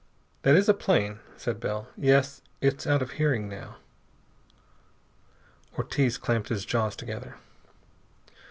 "That is a plane," said Bell. "Yes, It's out of hearing now." Ortiz clamped his jaws together.